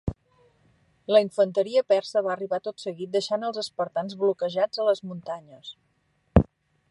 La infanteria persa va arribar tot seguit deixant els espartans bloquejats a les muntanyes.